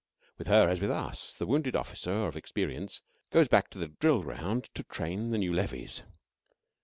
With her, as with us, the wounded officer of experience goes back to the drill ground to train the new levies.